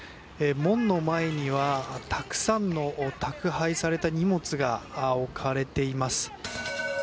門の前にはたくさんの宅配された荷物が置かれています。